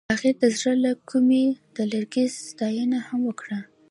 هغې د زړه له کومې د لرګی ستاینه هم وکړه.